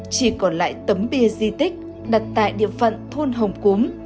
chỉ còn lại tấm bia di tích đặt tại địa phận thôn hồng cúm